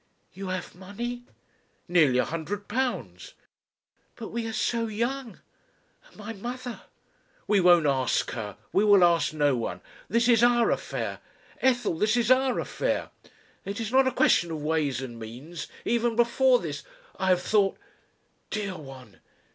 "You have money?" "Nearly a hundred pounds." "But we are so young And my mother ..." "We won't ask her. We will ask no one. This is our affair. Ethel! this is our affair. It is not a question of ways and means even before this I have thought ... Dear one!